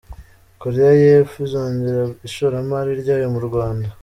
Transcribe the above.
Koreya y’Epfo izongera ishoramari ryayo mu Rwanda